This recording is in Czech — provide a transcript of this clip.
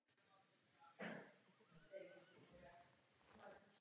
Dvě nejjižnější stanice jsou přestupní.